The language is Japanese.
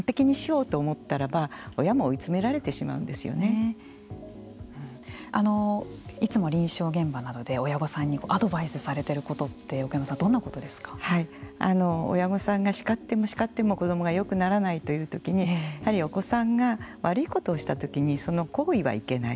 やはり完璧にしようと思ったら親もいつも臨床現場などで親御さんにアドバイスをされていることって親御さんが叱っても叱っても子どもがよくならないという時にやっぱりお子さんが悪いことをした時にその行為はいけない。